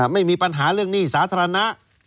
ไม่มีปัญหาเรื่องหนี้สาธารณะ